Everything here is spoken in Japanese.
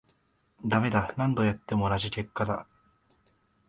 ダメだ、何度やっても同じ結果だ